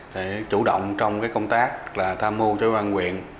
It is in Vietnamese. để chủ động trong công tác tham mưu cho các quân quyền